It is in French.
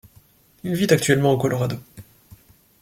Il vit actuellement au Colorado.